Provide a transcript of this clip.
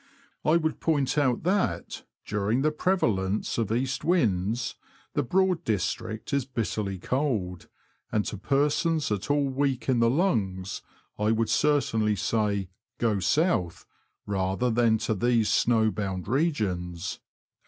I would point out that, during the prevalence of east winds, the Broad district is bitterly cold ; and to persons at ail weak in the lungs I would certainly say. Go south rather than to these snow bound regions.